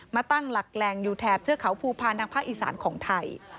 มาตั้งหลักแหล่งอยู่แถบเทือกเขาภูพาลทางภาคอีสานของไทย